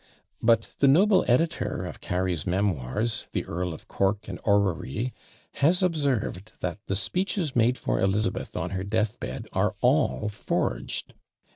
But the noble editor of Cary's Memoirs (the Earl of Cork and Orrery) has observed that "the speeches made for Elizabeth on her death bed are all forged."